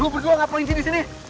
lu berdua gak poin sini sini